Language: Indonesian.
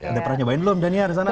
udah pernah nyobain belum jania di sana